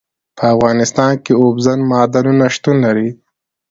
په افغانستان کې اوبزین معدنونه شتون لري.